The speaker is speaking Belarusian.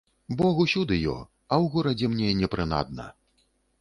Бог усюды ё, а ў горадзе мне не прынадна.